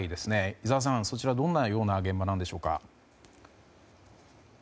井澤さん、そちらはどんなような現場でしょうか。